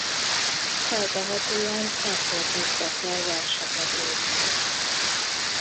Feltehetően ekkor kezdett el verseket írni.